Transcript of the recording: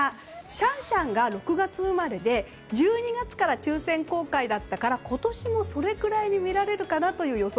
シャンシャンが６月生まれで１２月から抽選公開だったから今年もそれくらいに見られるかなという予想。